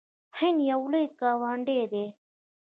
هند یو لوی ګاونډی دی.